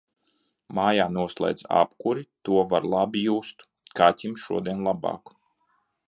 Mājā noslēdza apkuri, to var labi just. Kaķim šodien labāk.